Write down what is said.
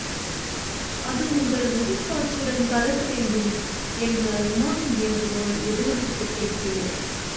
அது உங்கள் உயிர்க் காற்றுடன் கலக்க வேண்டும்! என்ற உமாவின் வேண்டுகோள் எதிரொலிக்கக் கேட்கிறேன்.